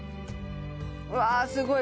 うわすごい